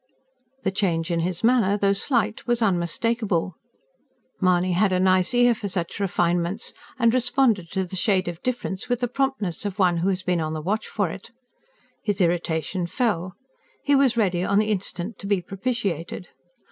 The change in his manner though slight was unmistakable. Mahony had a nice ear for such refinements, and responded to the shade of difference with the promptness of one who had been on the watch for it. His irritation fell; he was ready on the instant to be propitiated.